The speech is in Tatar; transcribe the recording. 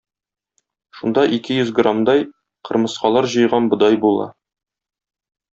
Шунда ике йөз граммдай кырмыскалар җыйган бодай була.